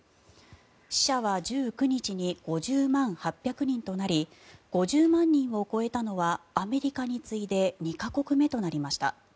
死者は１９日に５０万８００人となり５０万人を超えたのはアメリカに次いで２か国目となりました。